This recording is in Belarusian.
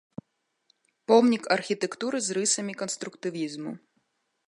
Помнік архітэктуры з рысамі канструктывізму.